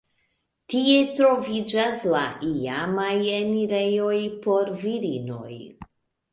Tie troviĝas la iamaj enirejoj por virinoj.